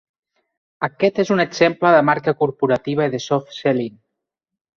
Aquest és un exemple de marca corporativa i de 'soft selling'.